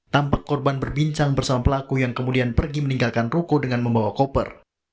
tampak korban berbincang bersama pelaku yang kemudian pergi meninggalkan ruko dengan membawa koper